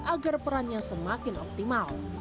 agar perannya semakin optimal